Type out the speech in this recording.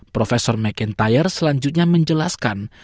prof mcintyre selanjutnya menjelaskan